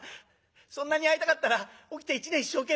『そんなに会いたかったら起きて一年一生懸命働いて金をためろ。